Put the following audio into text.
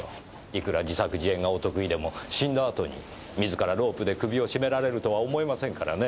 いくら自作自演がお得意でも死んだあとに自らロープで首を絞められるとは思えませんからね。